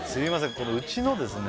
このうちのですね